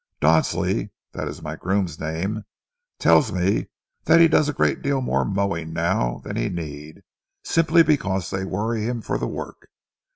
Dodsley that is my groom's name tells me that he does a great deal more mowing now than he need, simply because they worry him for the work.